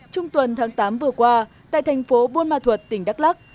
trung tuần tháng tám vừa qua tại thành phố buôn ma thuật tỉnh đắk lắc